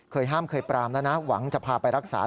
ห้ามเคยปรามแล้วนะหวังจะพาไปรักษา